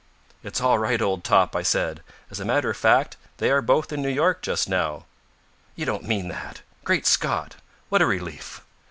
"It's all right, old top," I said. "As a matter of fact, they are both in New York just now." "You don't mean that? Great Scot, what a relief!